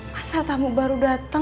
masa tamu baru dateng